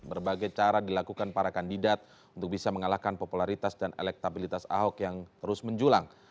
berbagai cara dilakukan para kandidat untuk bisa mengalahkan popularitas dan elektabilitas ahok yang terus menjulang